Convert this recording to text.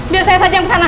biar saya saja yang kesana